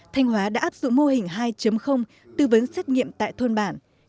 thanh hóa đã áp dụng mô hình hai tư vấn xét nghiệm tại thôn bản